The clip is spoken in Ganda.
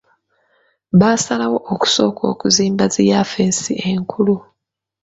Basalawo okusooka okuzimba zi yafesi enkulu.